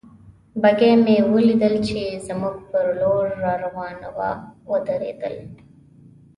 بګۍ مې ولیدل چې زموږ پر لور را روانه وه، ودرېدل.